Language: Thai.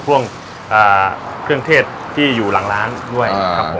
พวกเครื่องเทศที่อยู่หลังร้านด้วยครับผม